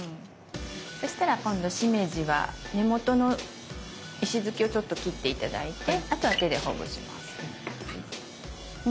そしたら今度しめじは根元の石突きをちょっと切って頂いてあとは手でほぐしますね。